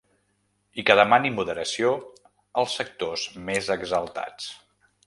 I que demani moderació als sectors més exaltats.